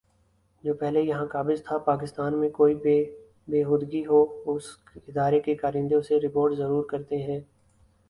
جو پہلے یہاں قابض تھا پاکستان میں کوئی بھی بے ہودگی ہو اس ادارے کے کارندے اسے رپورٹ ضرور کرتے ہیں